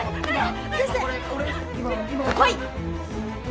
はい！